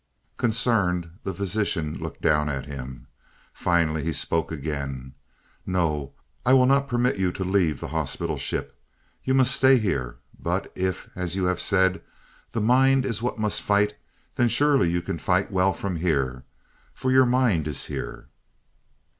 Concerned, the physician looked down at him. Finally he spoke again. "No, I will not permit you to leave the hospital ship. You must stay here, but if, as you have said, the mind is what must fight, then surely you can fight well from here, for your mind is here."